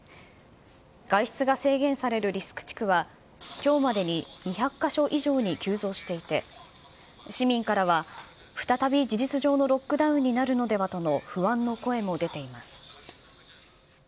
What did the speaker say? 外出が制限されるリスク地区は、きょうまでに２００か所以上に急増していて、市民からは、再び事実上のロックダウンになるのではとの不安の声も出ています。